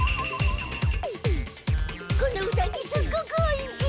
このうなぎすっごくおいしい！